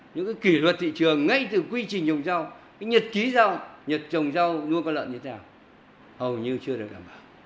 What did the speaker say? những kỷ luật thị trường ngay từ quy trình dùng rau nhật ký rau nhật trồng rau nuôi con lợn như thế nào hầu như chưa được đảm bảo